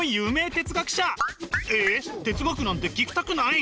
哲学なんて聞きたくない？